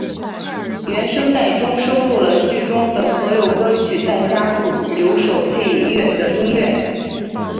原声带中收录了剧中的所有歌曲再加入九首配乐的音乐。